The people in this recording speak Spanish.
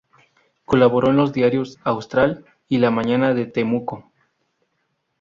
Colaboró en los diarios "Austral" y "La Mañana de Temuco".